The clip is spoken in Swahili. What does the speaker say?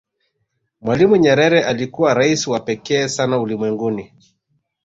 mwalimu nyerere alikuwa rais wa pekee sana ulimwenguni